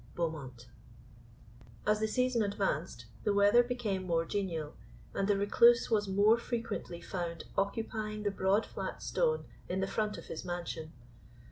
BEAUMONT As the season advanced, the weather became more genial, and the Recluse was more frequently found occupying the broad flat stone in the front of his mansion.